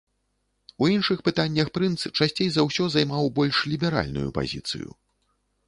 У іншых пытаннях прынц часцей за ўсё займаў больш ліберальную пазіцыю.